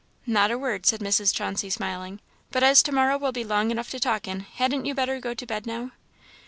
"Not a word," said Mrs. Chauncey, smiling; "but as to morrow will be long enough to talk in, hadn't you better go to bed now?"